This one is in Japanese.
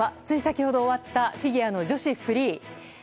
つい先ほど終わったフィギュアの女子フリー。